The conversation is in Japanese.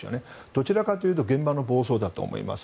どちらかというと現場の暴走だと思います。